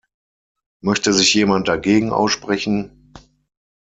Möchte sich jemand dagegen aussprechen?